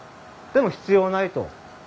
「でも必要ない」と。